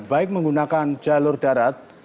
baik menggunakan jalur darat